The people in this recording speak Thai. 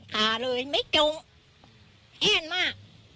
หาเลยไม่จงแห้นมาก